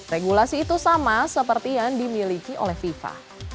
regulasi itu sama seperti yang dimiliki oleh fifa